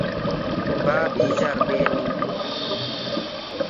با بیجەڕبێنین.